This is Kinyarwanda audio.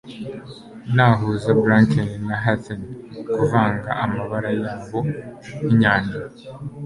nahuza bracken na heather, kuvanga amabara yabo nkinyanja